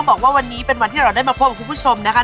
บอกว่าวันนี้เป็นวันที่เราได้มาพบกับคุณผู้ชมนะคะ